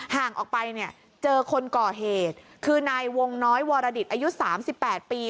ห่างออกไปเนี่ยเจอคนก่อเหตุคือนายวงน้อยวรดิตอายุ๓๘ปี